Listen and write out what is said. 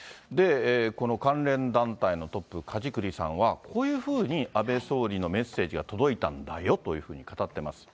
この関連団体のトップ、梶栗さんはこういうふうに安倍総理のメッセージが届いたんだよというふうに語ってます。